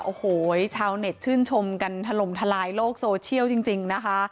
โอ้โหชาวเน็ตชื่นชมกันถล่มทลายโลกโซเชียลจริงนะคะ